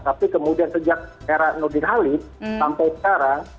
tapi kemudian sejak era nudin halil sampai sekarang